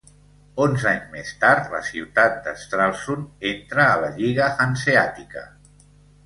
Onze anys més tard, la ciutat de Stralsund entra a la Lliga Hanseàtica.